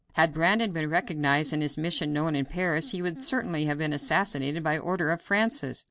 Had Brandon been recognized and his mission known in Paris, he would certainly have been assassinated by order of Francis.